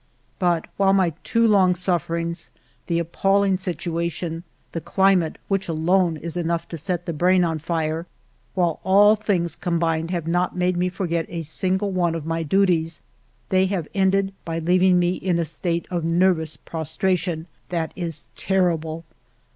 " But while my too long sufferings, the appalling situation, the climate, which alone is enough to set the brain on fire, — while all things combined have not made me forget a single one of my 262 FIVE YEARS OF MY LIFE duties, they have ended by leaving me in a state of nervous prostration that is terrible.